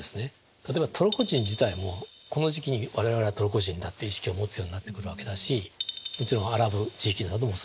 例えばトルコ人自体もこの時期に我々はトルコ人だって意識を持つようになってくるわけだしもちろんアラブ地域などもそうですね。